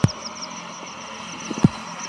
احمدشاه بابا د سیاست په میدان کې تجربه درلوده.